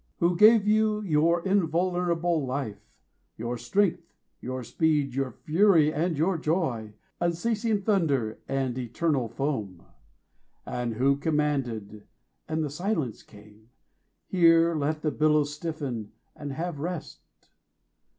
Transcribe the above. Who gave you your invulnerable life, Your strength, your speed, your fury, and your joy, 45 Unceasing thunder and eternal foam? And who commanded (and the silence came), Here let the billows stiffen, and have rest?